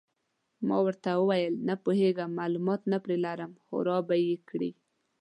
ما ورته وویل: نه پوهېږم، معلومات نه پرې لرم، خو را به یې کړي.